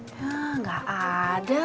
hah gak ada